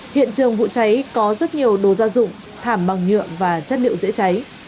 hiện trường vụ cháy có rất nhiều đồ gia dụng thảm bằng nhựa và chất liệu dễ cháy